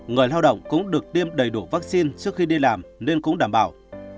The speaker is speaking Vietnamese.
người lao động cũng được tiêm đầy đủ vaccine trước khi đi làm nên cũng đảm bảo